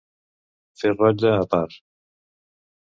Fer rotlle a part.